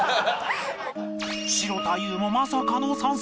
城田優もまさかの参戦！